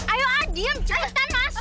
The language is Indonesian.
ayo diam cepetan masuk